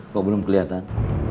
kok belum kelihatan